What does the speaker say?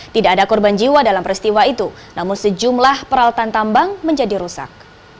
tidak ada korban jiwa dalam peristiwa itu namun sejumlah peralatan tambang menjadi rusak